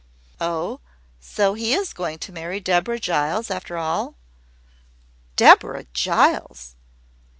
"Oh, so he is going to marry Deborah Giles, after all?" "Deborah Giles!"